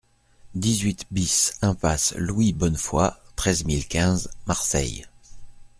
dix-huit BIS impasse Louis Bonnefoy, treize mille quinze Marseille